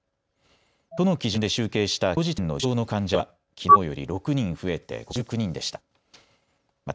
都の基準で集計したきょう時点の重症の患者は、きのうより６人増えて５９人でした。